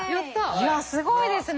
いやすごいですね。